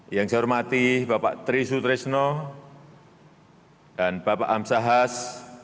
yang saya hormati bapak trisut resno dan bapak amsahas